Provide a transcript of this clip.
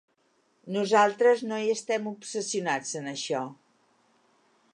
Nosaltres no hi estem obsessionats, en això.